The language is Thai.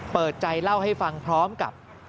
เปิดใจเล่าให้ฟังพร้อมกับ